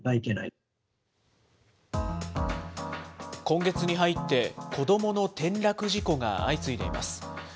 今月に入って、子どもの転落事故が相次いでいます。